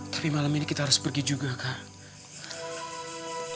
tapi malam ini kita harus pergi juga kak